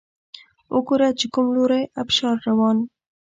وګوره چې کوم لوری ابشار روان